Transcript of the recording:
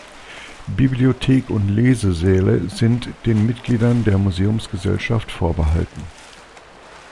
Bibliothek und Lesesäle sind den Mitgliedern der Museumsgesellschaft vorbehalten.